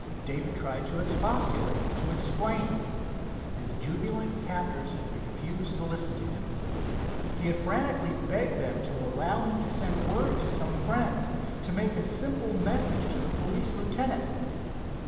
Dave had tried to expostulate, to explain. His jubilant captors had refused to listen to him. He had frantically begged of them to allow him to send word to some friends, to take a simple message to the police lieutenant.